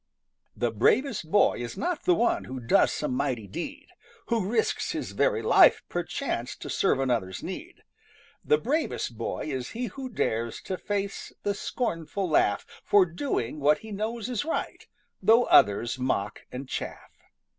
The bravest boy is not the one Who does some mighty deed; Who risks his very life perchance To serve another's need. The bravest boy is he who dares To face the scornful laugh For doing what he knows is right, Though others mock and chaff.